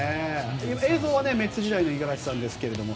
映像はメッツ時代の五十嵐さんですけれども。